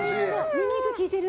ニンニク利いてる！